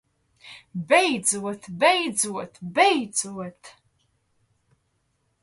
Beidzot! Beidzot! Beidzot!